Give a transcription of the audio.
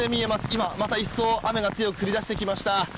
今、また一層雨が降り出してきました。